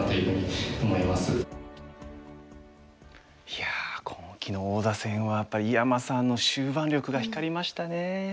いや今期の王座戦はやっぱり井山さんの終盤力が光りましたね。